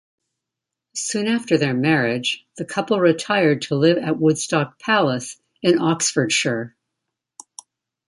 Soon after their marriage the couple retired to live at Woodstock Palace in Oxfordshire.